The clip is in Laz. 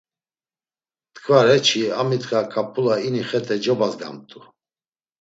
T̆ǩvare çi a mitxa ǩap̌ula ini xete cobazgamt̆u.